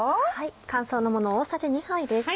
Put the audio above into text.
乾燥のもの大さじ２杯です。